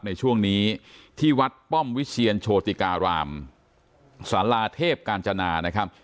ในช่วงนี้ที่วัดป้อมวิเชียนโชติการามสาราเทพกาญจนานะครับ